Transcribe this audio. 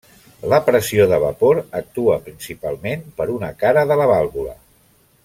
La pressió de vapor actua, principalment, per una cara de la vàlvula.